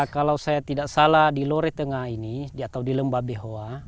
kalau saya tidak salah di lore tengah ini atau di lembabehoa